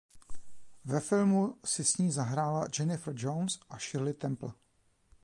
Ve filmu si s ní zahrála Jennifer Jones a Shirley Temple.